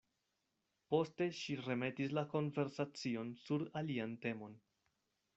Poste ŝi remetis la konversacion sur alian temon.